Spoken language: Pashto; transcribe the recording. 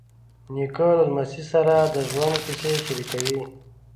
نیکه له لمسي سره د ژوند کیسې شریکوي.